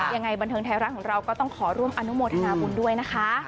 ยังไงบันเทิงไทยรัฐของเราก็ต้องขอร่วมอนุโมทนาบุญด้วยนะคะ